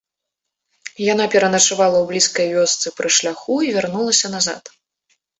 Яна пераначавала ў блізкай вёсцы пры шляху і вярнулася назад.